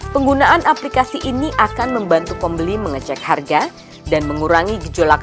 penggunaan aplikasi ini akan membantu pembeli mengecek harga